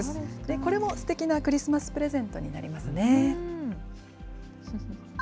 これもすてきなクリスマスプレゼントになりますね。